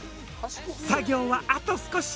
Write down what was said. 作業はあと少し。